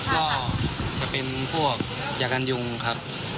ก็จะเป็นพวกยากันยุงครับ